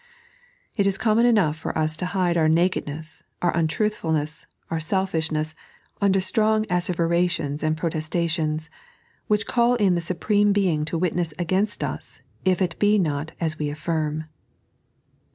It is common enough for us to hide our nakedness, our untruthfulness, our selfishness, under strong asseverations and protestations, which call in the Supreme Being to witness against us if it be not as we affirm.